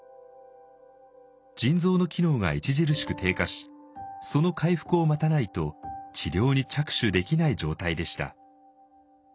腎臓の機能が著しく低下しその回復を待たないと治療に着手できない状態でした。